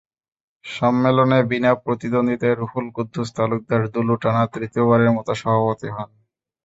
সম্মেলনে বিনা প্রতিদ্বন্দ্বিতায় রুহুল কুদ্দুস তালুকদার দুলু টানা তৃতীয়বারের মতো সভাপতি হন।